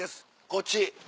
こっち。